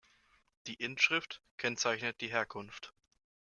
Die Inschrift kennzeichnet die Herkunft.